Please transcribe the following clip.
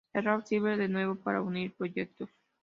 El rap sirve de nuevo para unir proyectos.